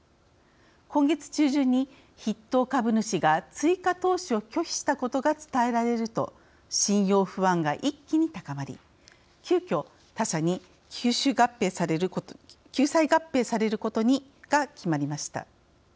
今月中旬に筆頭株主が追加投資を拒否したことが伝えられると信用不安が一気に高まり急きょ、他社に救済合併されることが決まりました。